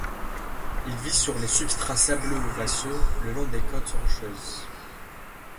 Il vit sur les substrats sableux ou vaseux, le long des côtes rocheuses.